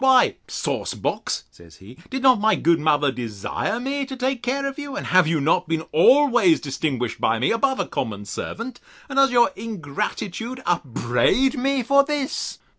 Why, sauce box, says he, did not my good mother desire me to take care of you? And have you not been always distinguished by me, above a common servant? And does your ingratitude upbraid me for this?